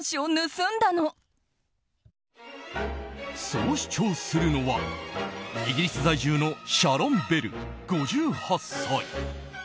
そう主張するのはイギリス在住のシャロン・ベル、５８歳。